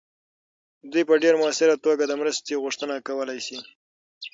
دوی په ډیر مؤثره توګه د مرستې غوښتنه کولی سي.